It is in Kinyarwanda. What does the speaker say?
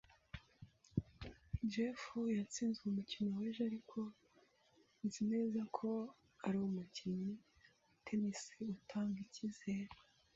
Jeff yatsinzwe umukino w'ejo, ariko nzi neza ko ari umukinnyi wa tennis utanga ikizere.